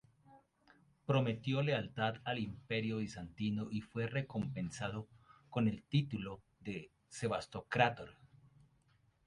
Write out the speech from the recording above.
Prometió lealtad al Imperio bizantino y fue recompensado con el título de "sebastocrátor".